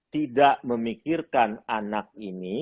tidak memikirkan anak ini